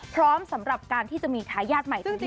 พร้อมสำหรับการที่จะมีท้ายาทใหม่ทุกที